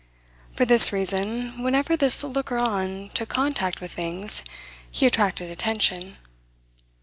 For this reason whenever this looker on took contact with things he attracted attention.